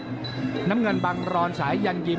กระหน่าที่น้ำเงินก็มีเสียเอ็นจากอุบลนะครับ